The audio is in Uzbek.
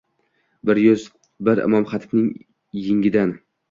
Bir yuz bir imom-xatibning egnidan